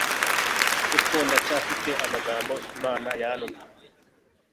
kuko ndacyafite amagambo imana yantumye